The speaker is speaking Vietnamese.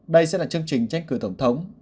đây sẽ là chương trình tranh cử tổng thống